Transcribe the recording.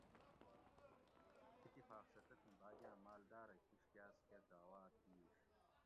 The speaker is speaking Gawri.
اتفاق سہ تتھی باگاۤں مالدار کِش کاۤس کہ دعوت دیش